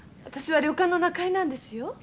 私は旅館の仲居なんですよ。